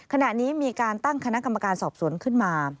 ขณะนี้มีการตั้งคณะกรรมการสอบสวนขึ้นมา